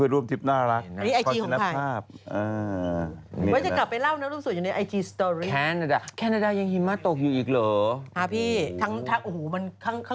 อุ๊ยลวดอ่ำหน้าฉันสักใกล้เกินมากตกใจไปหมด